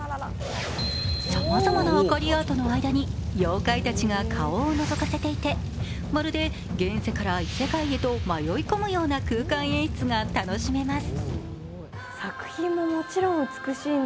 さまざまなあかりアートの間に妖怪立ちが顔をのぞかせていてまるで現世から異世界へと迷い込むような空間演出が楽しめます。